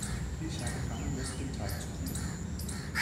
Ich habe keine Lust den Teig zu kneten.